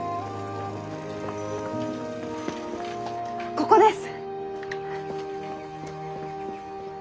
ここです。